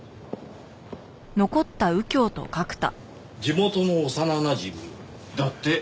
地元の幼なじみ？だって。